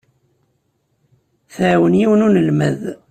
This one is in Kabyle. Tɛawen yiwen n unelmad.